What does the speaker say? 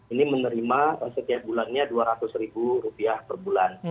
ini menerima setiap bulannya rp dua ratus per bulan